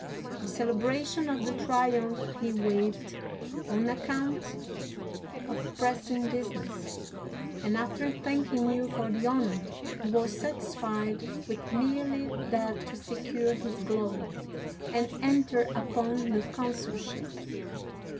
The celebration of the triumph he waived on account of pressing busi ness, and after thanking you for the honor, he was satisfied with merely liat to secure his glory, and entered upon the consulship.